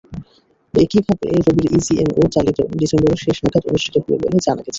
একইভাবে রবির ইজিএমও চলতি ডিসেম্বরের শেষ নাগাদ অনুষ্ঠিত হবে বলে জানা গেছে।